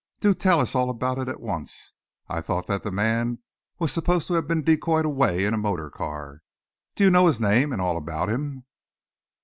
Do tell us all about it at once. I thought that the man was supposed to have been decoyed away in a motor car. Do you know his name and all about him?"